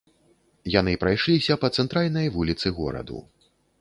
Яны прайшліся па цэнтральнай вуліцы гораду.